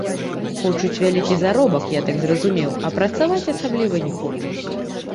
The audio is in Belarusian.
Хочуць вялікі заробак, я так зразумеў, а працаваць асабліва не хочуць.